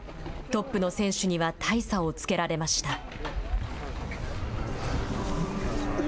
トップの選手には大差をつけられました。